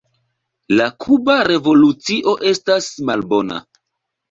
La Kuba revolucio estas malbona.